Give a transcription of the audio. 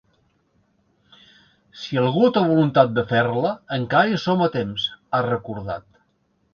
Si algú té voluntat de fer-la, encara hi som a temps, ha recordat.